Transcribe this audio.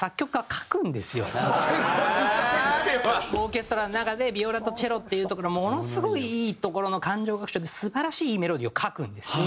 オーケストラの中でビオラとチェロっていうところものすごいいいところの緩徐楽章で素晴らしいメロディーを書くんですよ。